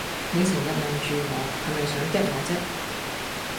你成日望住我，係咪想嗒我姐?